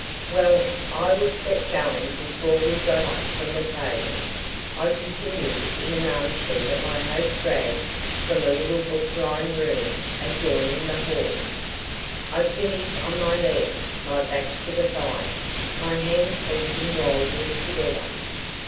Well, I was set going before we got up from the table. I continued in an armchair that my host dragged from a little book lined room adjoining the hall. I finished on my legs, my back to the fire, my hands beating wildly together.